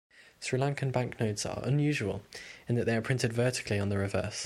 Sri Lankan banknotes are unusual in that they are printed vertically on the reverse.